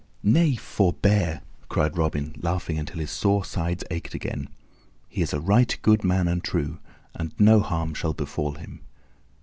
"Nay, forbear!" cried Robin, laughing until his sore sides ached again. "He is a right good man and true, and no harm shall befall him.